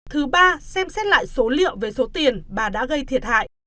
thứ ba xem xét lại số liệu về số tiền bà đã gây thiệt hại